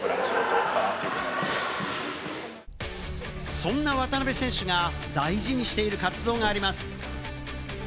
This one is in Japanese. そんな渡邊選手が大事にしている活動があります。